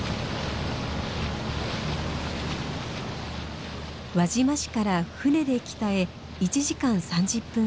輪島市から船で北へ１時間３０分ほど。